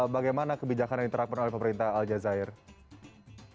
bagaimana kebijakan yang diterapkan oleh pemerintah al jazeera